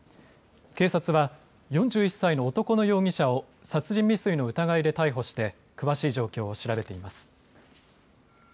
警察は４１歳の男の容疑者を殺人未遂の疑いで逮捕して詳しい状況を調べています。